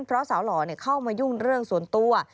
เพราะสาวหล่อเข้ามายุ่งเรื่องส่วนตัว